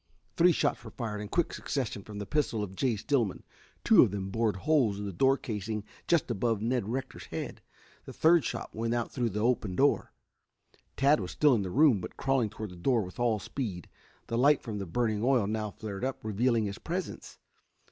Three shots were fired in quick succession from the pistol of Jay Stillman. Two of them bored holes in the door casing just above Ned Rector's head. The third shot went out through the open door. Tad was still in the room, but crawling toward the door with all speed. The light from the burning oil now flared up, revealing his presence.